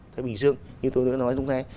thái bình dương như tôi đã nói lúc nãy